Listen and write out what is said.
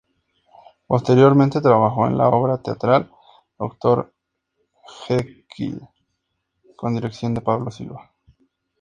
Posteriormente trabajó en la obra teatral "Dr. Jekyll", con dirección de Pablo Silva.